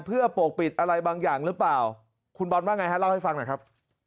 เพื่อปกปิดอะไรบางอย่างหรือเปล่าคุณบอลว่าไงฮะเล่าให้ฟังหน่อยครับ